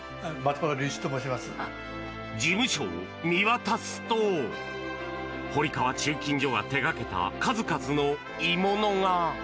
事務所を見渡すと堀川鋳金所が手掛けた数々の鋳物が。